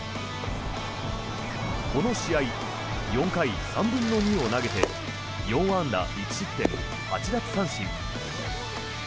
この試合４回３分の２を投げて４安打１失点８奪三振。